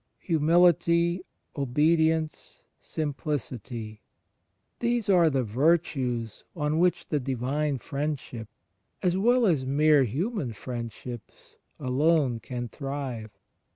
HumiUty, obedience, simplicity — these are the virtues on which the Divine Friendship, as well as mere human friendships, alone can thrive.